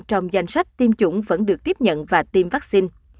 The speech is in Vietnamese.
trong danh sách tiêm chủng vẫn được tiếp nhận và tiêm vaccine